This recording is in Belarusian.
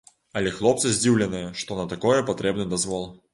Але хлопцы здзіўленыя, што на такое патрэбны дазвол.